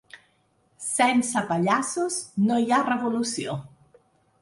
Sense pallassos no hi ha revolució!